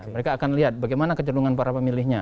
mereka akan lihat bagaimana kecerungan para pemilihnya